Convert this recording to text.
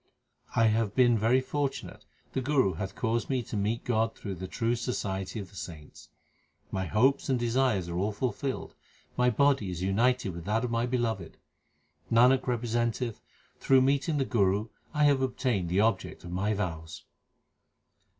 I have been very fortunate ; the Guru hath caused me to meet God through the true society of the saints. My hopes and desires are all fulfilled ; my body is united with that of the Beloved. Nanak representeth through meeting the Guru I have obtained the object of my vows.